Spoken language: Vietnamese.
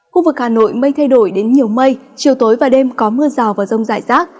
khu vực hà nội mây thay đổi đến nhiều mây chiều tối và đêm có mưa rào và rông rải rác